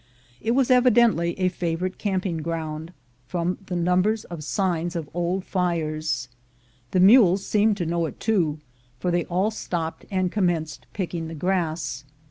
It was evidently a favorite camp ON THE TRAIL 193 ing ground, from the numbers of signs of old fires. The mules seemed to know it too, for they all stopped and commenced picking the grass.